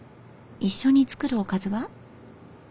一緒に作るおかずは？